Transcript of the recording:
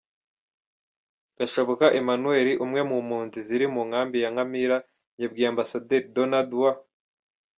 Gashabuka Emmanuel, umwe mu mpunzi ziri mu nkambi ya Nkamira yabwiye Ambasaderi Donald W.